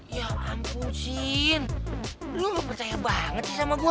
ya ampun sin lo gak percaya banget sih sama gue